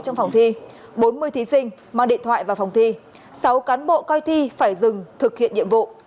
trong phòng thi bốn mươi thí sinh mang điện thoại vào phòng thi sáu cán bộ coi thi phải dừng thực hiện nhiệm vụ